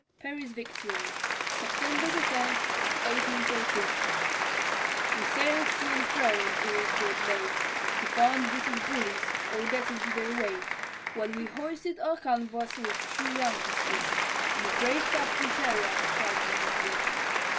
PERRY'S VICTORY [September 10, 1813] We sailed to and fro in Erie's broad lake, To find British bullies or get into their wake, When we hoisted our canvas with true Yankee speed, And the brave Captain Perry our squadron did lead.